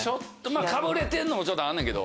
かぶれてんのもちょっとあんねんけど。